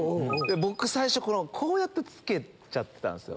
僕最初こうやって着けちゃってたんすよ。